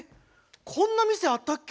こんな店あったっけ？